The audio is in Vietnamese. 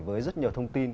với rất nhiều thông tin